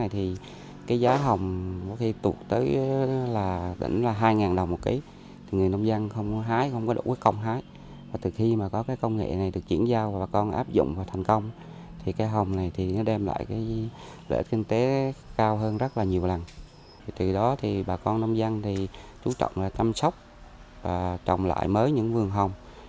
từ đó thì bà con nông dân thì chú trọng là chăm sóc và trồng lại mới những vườn hồng